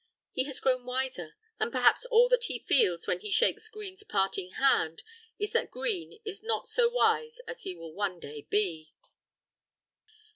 He has grown wiser; and perhaps all that he feels when he shakes Green's parting hand is that Green is not so wise as he will one day be.